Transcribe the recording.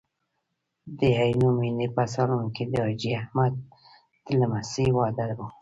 د عینومېنې په سالون کې د حاجي احمد د لمسۍ واده و.